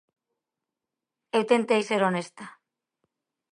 Eu tentei ser honesta.